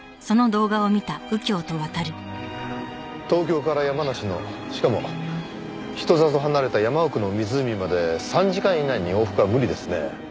東京から山梨のしかも人里離れた山奥の湖まで３時間以内に往復は無理ですね。